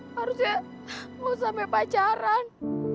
harusnya mau sampai pacaran